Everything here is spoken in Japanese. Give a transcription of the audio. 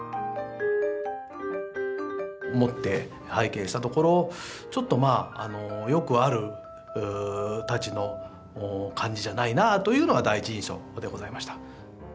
持って拝見したところちょっとまあよくある太刀の感じじゃないなというのが第一印象でございました。